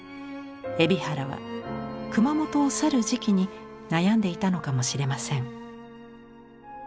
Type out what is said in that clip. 海老原は熊本を去る時期に悩んでいたのかもしれません。